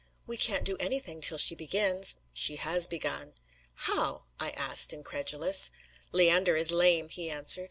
"We can't do anything till she begins!" "She has begun." "How?" I asked incredulous. "Leander is lame," he answered.